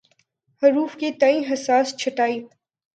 حروف کے تئیں حساس چھٹائی